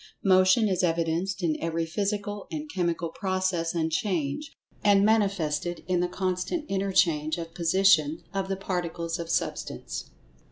Motion is evidenced in every physical and chemical process and change, and manifested in the constant interchange of position of the Particles of Substance.